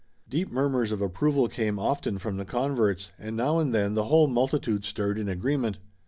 Deep murmurs of approval came often from the converts, and now and then the whole multitude stirred in agreement.